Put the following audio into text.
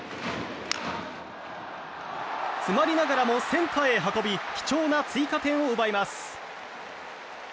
詰まりながらもセンターへ運び貴重な追加点を奪います。